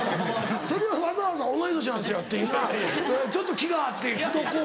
それをわざわざ「同い年なんすよ」って言うのはちょっと気があって口説こう。